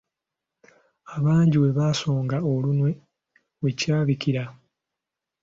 Abangi we basonga olunwe we kyabikira.